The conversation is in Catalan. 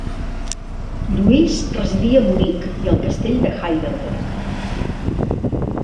Lluís residia a Munic i al castell de Heidelberg.